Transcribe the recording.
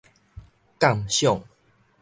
鑑賞